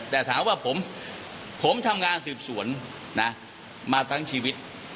แต่ถามว่าผมทำงานสืบสวนนะมาทั้งชีวิต